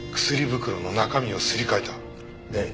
ええ。